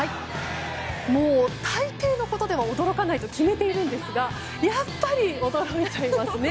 もう大抵のことでは驚かないと決めているんですがやっぱり驚いちゃいますね。